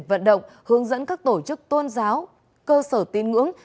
vận động hướng dẫn các tổ chức tôn giáo cơ sở tiên ngưỡng